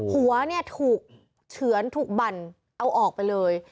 หัวเนี่ยถูกเฉือนถูกบั่นเอาออกไปเลย